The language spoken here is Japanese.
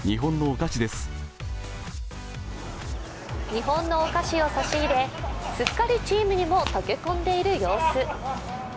日本のお菓子を差し入れすっかりチームにも溶け込んでいる様子。